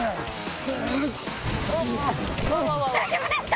大丈夫ですか⁉